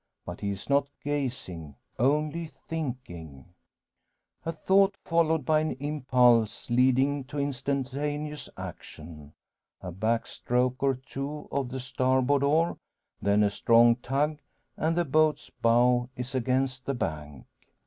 But he is not gazing, only thinking. A thought, followed by an impulse leading to instantaneous action. A back stroke or two of the starboard oar, then a strong tug, and the boat's bow is against the bank.